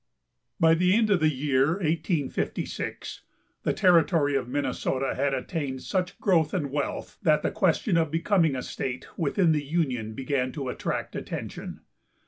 By the end of the year 1856 the Territory of Minnesota had attained such growth and wealth that the question of becoming a state within the Union began to attract attention.